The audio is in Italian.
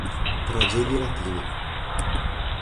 Tragedia latina